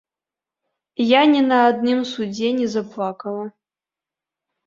Я не на адным судзе не заплакала.